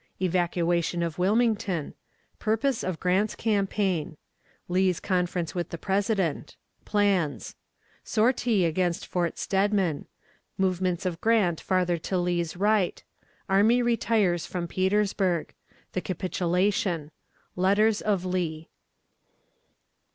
Evacuation of Wilmington. Purpose of Grant's Campaign. Lee's Conference with the President. Plans. Sortie against Fort Steadman. Movements of Grant farther to Lee's right. Army retires from Petersburg. The Capitulation. Letters of Lee.